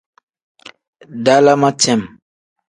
Dalam cem.